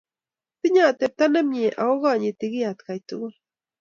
Tinye atepto nemye ako konyiti key atkan tukul.